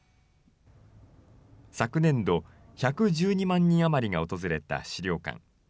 昨年度、１１２万人余りが訪れた資料館。